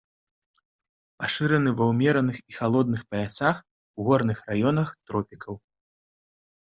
Пашыраны ва ўмераных і халодных паясах, у горных раёнах тропікаў.